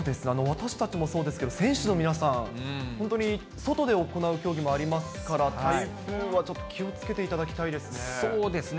私たちもそうですけど選手の皆さん、本当に、外で行う競技もありますから、台風はちょっと気をつけていただきたいですね。